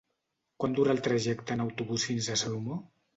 Quant dura el trajecte en autobús fins a Salomó?